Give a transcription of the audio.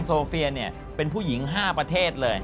โซเฟียเป็นผู้หญิง๕ประเทศเลย